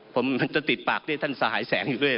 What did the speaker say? ผมจะติดปากด้วยท่านสหายแสงอยู่ด้วย